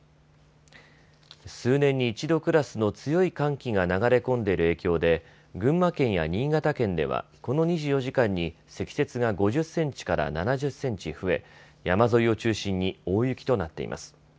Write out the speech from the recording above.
数年に一度クラスの強い寒気が流れ込んでいる影響で群馬県や新潟県ではこの２４時間に積雪が５０センチから７０センチ増え山沿いを中心に大雪となっています。